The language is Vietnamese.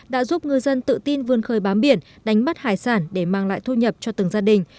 đã giúp ngư dân tự tin vươn khơi bám biển đánh bắt hải sản để mang lại thu nhập cho từng gia đình